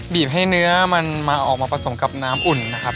ให้เนื้อมันมาออกมาผสมกับน้ำอุ่นนะครับ